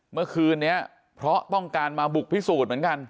เมื่อคืนนี้เพราะต้องการมาบุกพิสูจน์เหมือนกัน